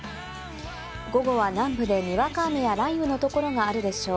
午後は南部でにわか雨や雷雨のところがあるでしょう。